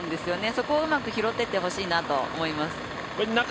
そこをうまく拾っていってほしいなと思います。